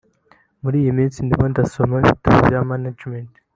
Muri iyi minsi ndimo ndasoma ibitabo bya management